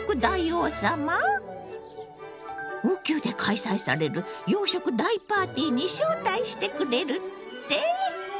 王宮で開催される洋食大パーティーに招待してくれるって？